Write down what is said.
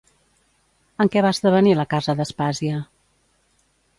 En què va esdevenir la casa d'Aspàsia?